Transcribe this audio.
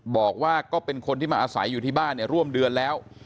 บอกว่าก็เป็นคนที่มาอาศัยอยู่ที่บ้านร่วมเดือนแล้ว